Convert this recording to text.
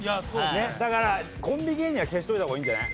ねっだからコンビ芸人は消しといた方がいいんじゃない？